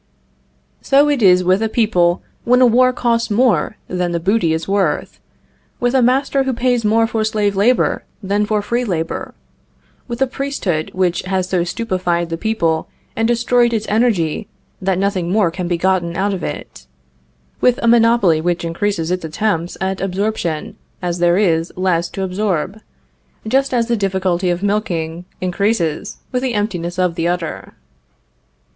So it is with a people when a war costs more than the booty is worth; with a master who pays more for slave labor than for free labor; with a priesthood which has so stupefied the people and destroyed its energy that nothing more can be gotten out of it; with a monopoly which increases its attempts at absorption as there is less to absorb, just as the difficulty of milking increases with the emptiness of the udder.